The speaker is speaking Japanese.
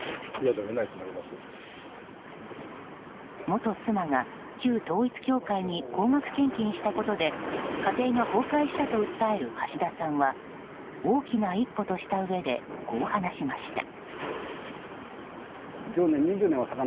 元妻が旧統一教会に高額献金したことで家庭が崩壊したと訴える橋田さんは大きな一歩としたうえでこう話しました。